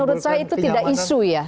menurut saya itu tidak isu ya